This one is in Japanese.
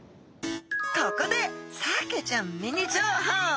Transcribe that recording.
ここでサケちゃんミニ情報。